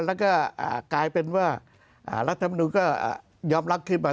แล้วก็กลายเป็นว่ารัฐมนุนก็ยอมรับขึ้นมา